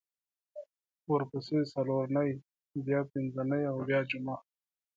ورپسې څلورنۍ بیا پینځنۍ او بیا جمعه